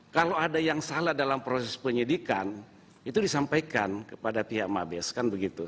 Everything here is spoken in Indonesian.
kalau ada yang salah dalam proses penyidikan itu disampaikan kepada pihak mabes kan begitu